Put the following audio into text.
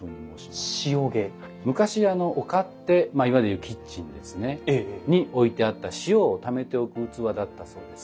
昔お勝手まあいわゆるキッチンですねに置いてあった塩をためておく器だったそうです。